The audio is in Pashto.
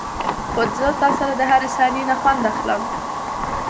خو زه تاسره دهرې ثانيې نه خوند اخلم.